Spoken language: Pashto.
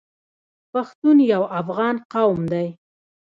پښتون یو افغان قوم دی.